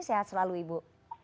sehat selalu ibu